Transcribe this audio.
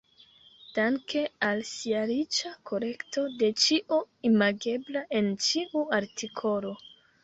Danke al sia riĉa kolekto de ĉio imagebla en ĉiu artikolo.